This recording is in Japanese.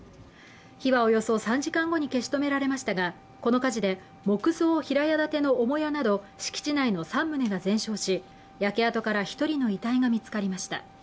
火はおよそ３時間後に消し止められましたが、この火事で木造平屋建ての母屋など敷地内の３棟が全焼し、焼け跡から１人の遺体が見つかりました。